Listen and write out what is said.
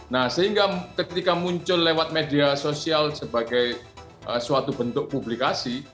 nah sehingga ketika muncul lewat media sosial sebagai suatu bentuk publikasi